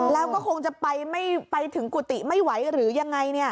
แล้วก็คงจะไปไม่ไปถึงกุฏิไม่ไหวหรือยังไง